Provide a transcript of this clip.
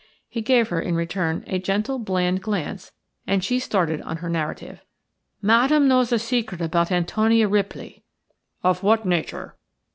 He gave her in return a gentle, bland glance, and she started on her narrative. "Madame knows a secret about Antonia Ripley." "Of what nature?"